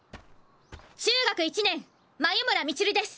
中学１年眉村道塁です。